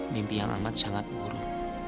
mimpi yang amat sangat buruk